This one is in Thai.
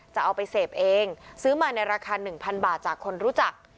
จะเอาไปเสพเองซื้อมาในราคา๑๐๐บาทจากคนรู้จัก